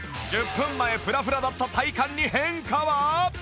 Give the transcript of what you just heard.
１０分前フラフラだった体幹に変化は？